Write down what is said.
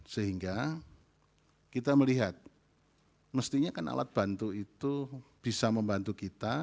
sehingga kita melihat mestinya kan alat bantu itu bisa membantu kita